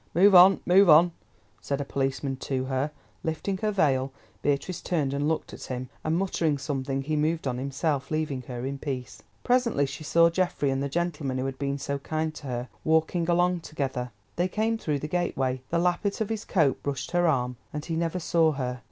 "Move on, move on," said a policeman to her. Lifting her veil, Beatrice turned and looked at him, and muttering something he moved on himself, leaving her in peace. Presently she saw Geoffrey and the gentleman who had been so kind to her walking along together. They came through the gateway; the lappet of his coat brushed her arm, and he never saw her.